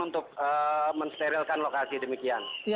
untuk mensterilkan lokasi demikian